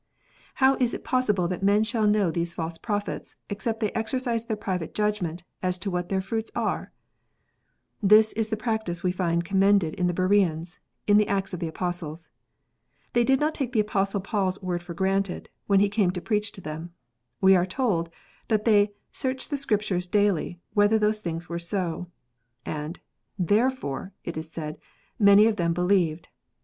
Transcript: How is it possible that men shall know these false prophets, except they exercise their private judgment as to what their fruits are 1 This is the practice we find commended in the Bereans, in the Acts of the Apostles. They did not take the Apostle Paul s word for granted, when he come to preach to them. We are told, that they " searched the Scriptures daily, whether those things were so," and " therefore," it is said, " many of them believed."